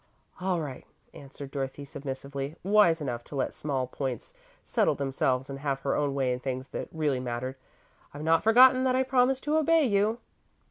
"All right," answered Dorothy, submissively, wise enough to let small points settle themselves and have her own way in things that really mattered. "I've not forgotten that I promised to obey you."